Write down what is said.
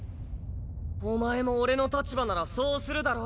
お前も俺の立場ならそうするだろ？